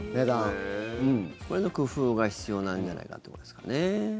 これの工夫が必要なんじゃないかということですかね。